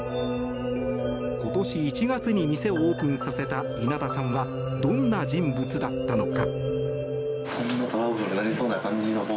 今年１月に店をオープンさせた稲田さんはどんな人物だったのか。